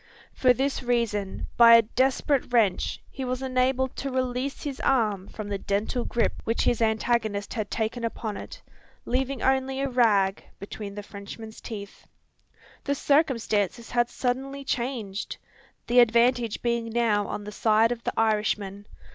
For this reason, by a desperate wrench, he was enabled to release his arm from the dental grip which his antagonist had taken upon it, leaving only a rag between the Frenchman's teeth. The circumstances had suddenly changed! the advantage being now on the side of the Irishman.